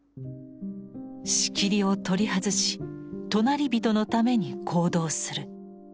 仕切りを取り外し隣人のために行動する。